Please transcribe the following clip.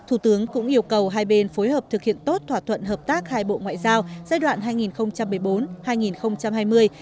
thủ tướng cũng yêu cầu hai bên phối hợp thực hiện tốt thỏa thuận hợp tác hai bộ ngoại giao giai đoạn hai nghìn một mươi bốn hai nghìn hai mươi